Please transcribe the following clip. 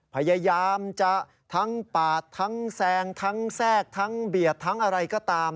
พยายามจะทั้งปาดทั้งแซงทั้งแทรกทั้งเบียดทั้งอะไรก็ตาม